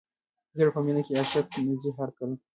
زړه په مینه کې عاشق نه ځي هر کله.